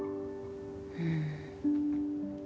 うん。